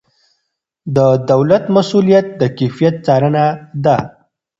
د دولت مسؤلیت د کیفیت څارنه ده.